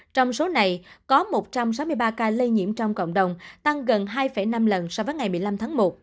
trong số này có một trăm sáu mươi ba ca lây nhiễm trong cộng đồng tăng gần hai năm lần so với ngày một mươi năm tháng một